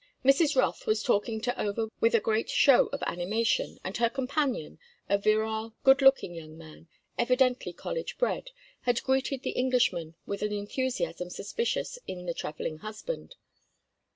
Mrs. Rothe was talking to Over with a great show of animation, and her companion—a virile, good looking young man, evidently college bred—had greeted the Englishman with an enthusiasm suspicious in the travelling husband.